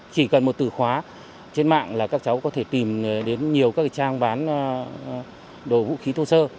chỉ cần một từ khóa trên mạng là các cháu có thể tìm đến nhiều các trang bán đồ vũ khí thô sơ